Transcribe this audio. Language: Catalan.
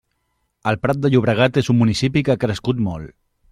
El Prat de Llobregat és un municipi que ha crescut molt.